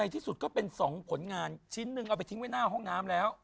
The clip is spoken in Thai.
ที่สุดก็เป็น๒ผลงานชิ้นหนึ่งเอาไปทิ้งไว้หน้าห้องน้ำแล้ว